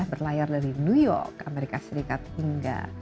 berlayar dari new york amerika serikat hingga